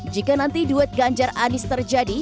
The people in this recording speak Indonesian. jika nanti duet ganjar anis terjadi